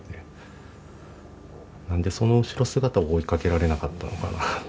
何でその後ろ姿を追いかけられなかったのかなと。